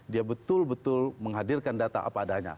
dia betul betul menghadirkan data apa adanya